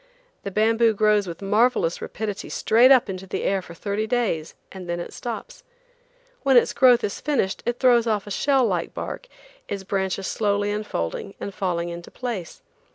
The bamboo grows with marvelous rapidity straight up into the air for thirty days, and then it stops. When its growth is finished it throws off a shell like bark, its branches slowly unfolding and falling into place.